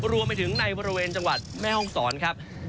รวมไปถึงในบริเวณจังหวัดแม่ห้องศรครับ